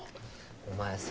お前さ